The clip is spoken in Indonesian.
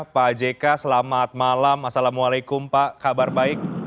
pak jk selamat malam assalamualaikum pak kabar baik